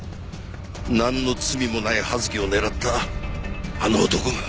なんの罪もない葉月を狙ったあの男が。